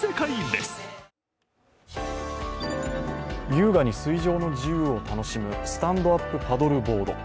優雅に水上の自由を楽しむスタンドアップパドルボート。